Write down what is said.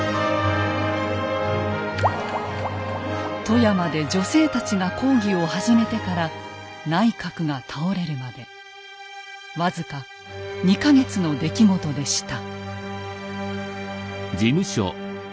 富山で女性たちが抗議を始めてから内閣が倒れるまで僅か２か月の出来事でした。